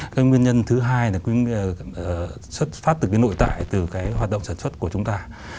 cái nguyên nhân thứ hai là xuất phát từ cái nội tại từ cái hoạt động sản xuất của chúng ta